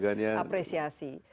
kita tidak memperlihatkan apresiasi